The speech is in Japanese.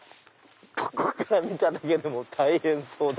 ここから見ただけでも大変そうだ。